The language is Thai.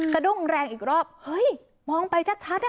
สะดุ้งแรงอีกรอบเฮ้ยมองไปชัดอ่ะ